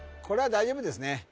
これは大丈夫ですね